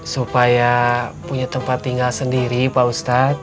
supaya punya tempat tinggal sendiri pak ustadz